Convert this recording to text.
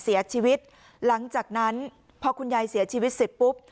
เสียชีวิตหลังจากนั้นพอคุณยายเสียชีวิตเสร็จปุ๊บ